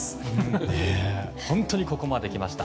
本当にここまで来ました。